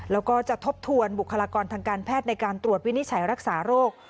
แล้วก็จะทบทวนบุคลากรทางการแพทย์ในการตรวจวินิจฉัยรักษาโรค